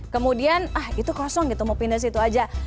kemudian ah itu kosong gitu mau pindah situ aja